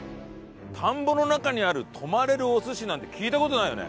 田んぼの中にある泊まれるお寿司なんて聞いた事ないよね。